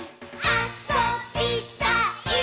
あそびたいっ！！」